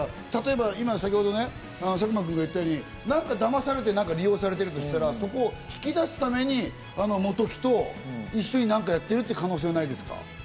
例えば先ほどね、佐久間くんが言ったように、何かだまされて利用されてるとしたら、そこを引き出すために本木と一緒に何かやってるって可能性はないですか？